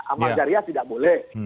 amal jariah tidak boleh